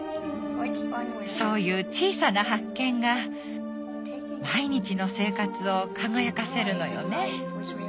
そういう小さな発見が毎日の生活を輝かせるのよね。